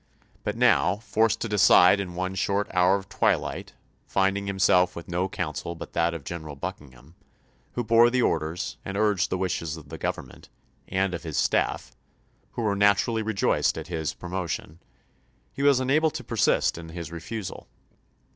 But now, forced to decide in one short hour of twihght, finding himself with no counsel but that of General Buckingham, who bore the orders and urged the wishes of the Government, and of his staff, who were naturally rejoiced at his promotion, he was unable to persist in his refusal.